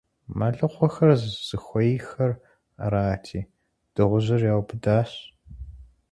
Мэлыхъуэхэр зыхуейххэр арати, дыгъужьыр яубыдащ.